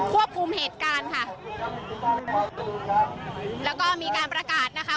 ภูมิเหตุการณ์ค่ะแล้วก็มีการประกาศนะคะ